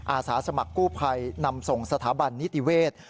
อาสาสมัครกู้ภัยนำส่งสถาบันนิติเวศ